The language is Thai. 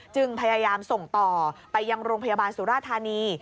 จึงพยายามส่งต่อไปยังโรงพยาบาลสุราธานี